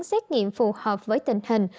xét nghiệm phù hợp với tình hình